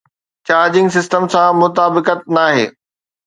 charging system سان مطابقت ناهي